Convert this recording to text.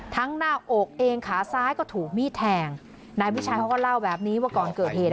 หน้าอกเองขาซ้ายก็ถูกมีดแทงนายวิชัยเขาก็เล่าแบบนี้ว่าก่อนเกิดเหตุ